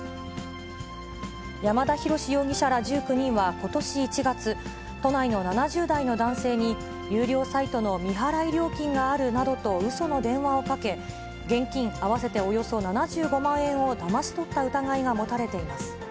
山田大志容疑者ら、１９人はことし１月、都内の７０代の男性に有料サイトの未払い料金があるなどとうその電話をかけ、現金合わせておよそ７５万円をだまし取った疑いが持たれています。